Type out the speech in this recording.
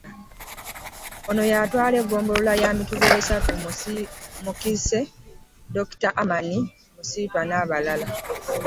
Ono atwala eggombolola ya Mituba esatu Mukise, Dokita Herman Musiitwa n'abalala.